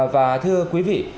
và thưa quý vị